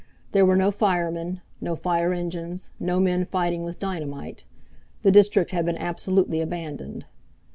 There were no firemen, no fire engines, no men fighting with dynamite. The district had been absolutely abandoned.